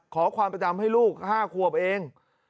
ขอความประจำให้ลูก๕ขวบเอง